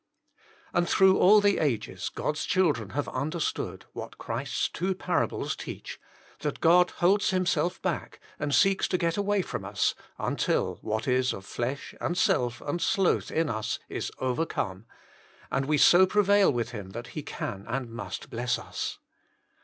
And through all the ages God s children have understood, what Christ s two parables teach, that God holds Himself back, and seeks to get away from us, until what is of flesh and self and sloth in us is overcome, and we so prevail with Him that He can and must bless us.